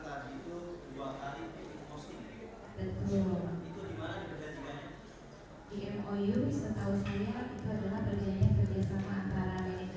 di ranggung kan masih ada saksi delapan hari sebelum saudara berangkat